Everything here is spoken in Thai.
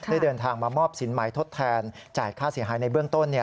ได้เดินทางมามอบสินใหม่ทดแทนจ่ายค่าเสียหายในเบื้องต้น